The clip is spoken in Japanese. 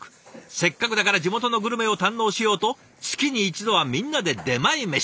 せっかくだから地元のグルメを堪能しようと月に１度はみんなで出前メシ。